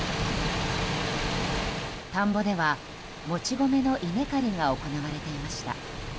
田んぼでは、もち米の稲刈りが行われていました。